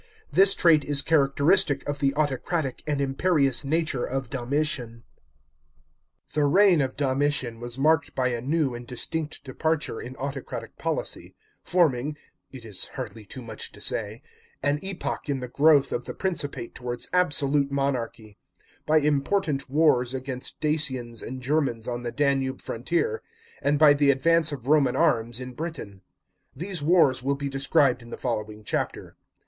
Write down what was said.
This trait is characteristic of the autocratic and imperious nature of Domitian. § 15. The reign of Domitian was marked by a new and distinct departure in autocratic policy, forming— it is hardly too much to say — an epoch in the growth of the Principate towards absolute monarchy; by important wars against Dacians and (iermans on the Danube frontier; and by the advance of Roman arms in 386 THE FLAVIAN EMPERORS. CHAP. xxi. Britain. These wars will be described in the following chapter.